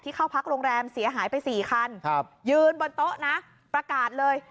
เข้าพักโรงแรมเสียหายไป๔คันยืนบนโต๊ะนะประกาศเลย